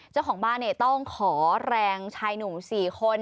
เจ้าของบ้านต้องขอแรงชายหนุ่ม๔คน